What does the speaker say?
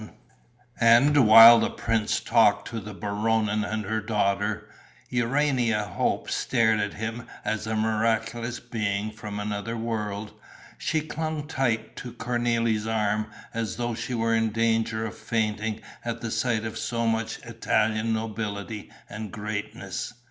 And, while the prince talked to the Baronin and her daughter, Urania Hope stared at him as a miraculous being from another world. She clung tight to Cornélie's arm, as though she were in danger of fainting at the sight of so much Italian nobility and greatness.